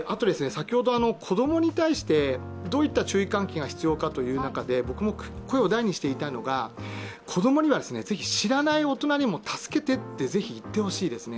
子供に対してどういった注意喚起が必要かという中で、僕も声を大にして言いたいのが子供にはぜひ知らない大人にも助けてとぜひ言ってほしいですね。